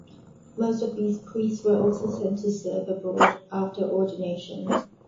Most of these priests were also sent to "serve" abroad after ordination.